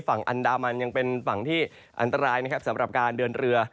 ฝั่งอันดามันยังเป็นฝั่งที่อันตรายนะครับสำหรับการเดินเรือ